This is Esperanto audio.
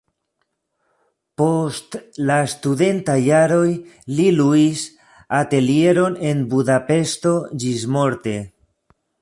Post la studentaj jaroj li luis atelieron en Budapeŝto ĝismorte.